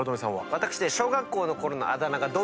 私。